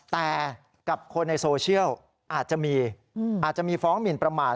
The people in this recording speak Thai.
แต่กับคนในโซเชียลอาจจะมีอาจจะมีฟ้องหมินประมาท